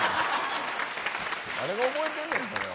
誰が覚えてんねん、それ。